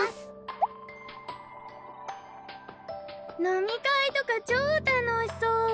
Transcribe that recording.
飲み会とか超楽しそう。